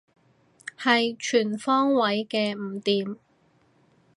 係全方位嘅唔掂